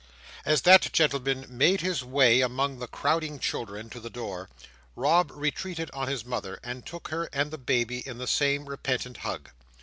As that gentleman made his way among the crowding children to the door, Rob retreated on his mother, and took her and the baby in the same repentant hug.